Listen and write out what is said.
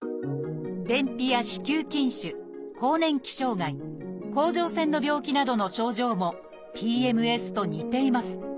便秘や子宮筋腫更年期障害甲状腺の病気などの症状もＰＭＳと似ています。